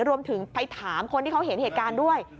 รวมถึงไปถามคนที่เขาเห็นเหตุการณ์ด้วย